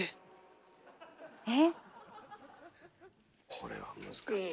これは難しい。